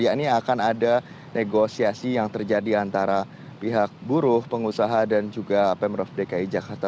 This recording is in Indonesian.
yakni akan ada negosiasi yang terjadi antara pihak buruh pengusaha dan juga pemprov dki jakarta